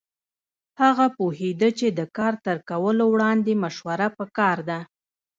هغه پوهېده چې د کار تر کولو وړاندې مشوره پکار ده.